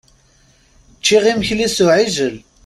Ččiɣ imekli s uɛijel.